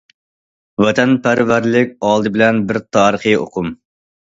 ۋەتەنپەرۋەرلىك ئالدى بىلەن بىر تارىخىي ئۇقۇم.